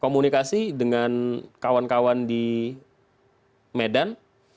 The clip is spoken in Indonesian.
komunikasi dengan kawan kawan di medan